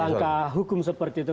langkah hukum seperti itu